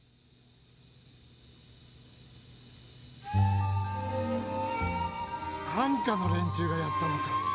ハンカの連中がやったのか。